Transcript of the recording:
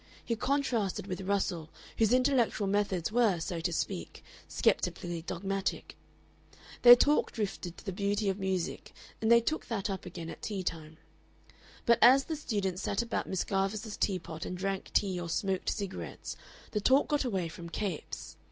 He contrasted with Russell, whose intellectual methods were, so to speak, sceptically dogmatic. Their talk drifted to the beauty of music, and they took that up again at tea time. But as the students sat about Miss Garvice's tea pot and drank tea or smoked cigarettes, the talk got away from Capes.